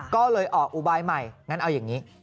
ก็เลยออกอุบายใหม่งั้นเอาอย่างนี้